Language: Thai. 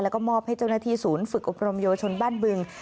แล้วก็มอบให้เจ้าหน้าที่ศูนย์ฝึกอบรมเยาวชนบ้านบึง